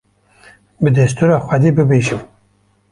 bi destûra Xwedê bibêjim